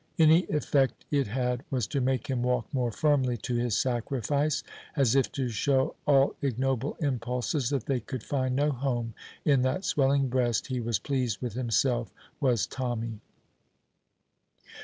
Any effect it had was to make him walk more firmly to his sacrifice, as if to show all ignoble impulses that they could find no home in that swelling breast He was pleased with himself, was Tommy.